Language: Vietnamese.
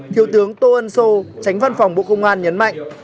thiếu tướng tô ân sô tránh văn phòng bộ công an nhấn mạnh